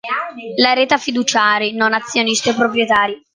La rete ha fiduciari, non ha azionisti o proprietari.